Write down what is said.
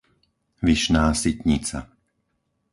Vyšná Sitnica